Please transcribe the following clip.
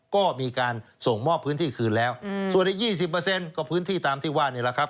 ก็มีการส่งมอบพื้นที่คืนแล้วส่วนอีก๒๐ก็พื้นที่ตามที่ว่านี่แหละครับ